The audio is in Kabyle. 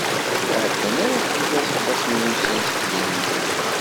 Ur ɛeddan ara fell-as aṭas n wussan seg mi yemmut.